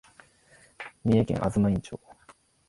三重県東員町